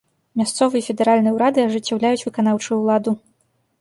Мясцовы і федэральны ўрады ажыццяўляюць выканаўчую ўладу.